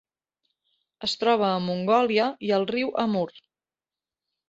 Es troba a Mongòlia i al riu Amur.